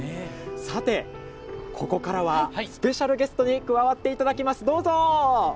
さて、ここからはスペシャルゲストに加わっていただきます。